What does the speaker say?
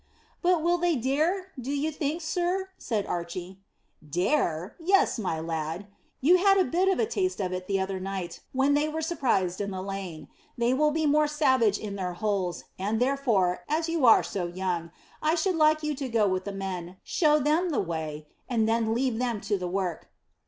"But will they dare, do you think, sir?" said Archy. "Dare! Yes, my lad. You had a bit of a taste of it the other night when they were surprised in the lane. They will be more savage in their holes, and therefore, as you are so young, I should like you to go with the men, show them the way, and then leave them to do the work."